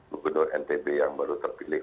gubernur ntb yang baru terpilih